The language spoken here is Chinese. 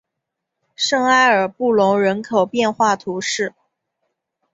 圣埃尔布隆人口变化图示